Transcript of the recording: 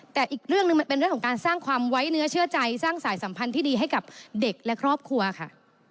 แต่อีกเรื่องหนึ่งมันเป็นเรื่องของการสร้างความไว้เนื้อเชื่อใจสร้างสายสัมพันธ์ที่ดีให้กับเด็กและครอบครัวค่ะ